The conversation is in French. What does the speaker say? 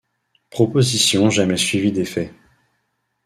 Proposition jamais suivie d'effet.